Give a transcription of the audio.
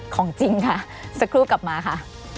ของจริงค่ะสักครู่กลับมาค่ะ